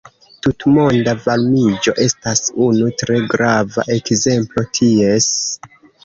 Tutmonda varmiĝo estas unu tre grava ekzemplo ties.